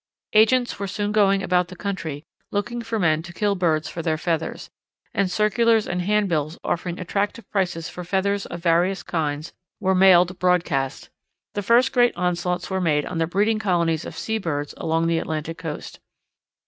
Agents were soon going about the country looking for men to kill birds for their feathers, and circulars and hand bills offering attractive prices for feathers of various kinds were mailed broadcast. The first great onslaughts were made on the breeding colonies of sea birds along the Atlantic Coast.